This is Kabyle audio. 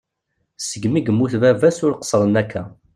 Segmi i yemmut baba-s ur qesren akka.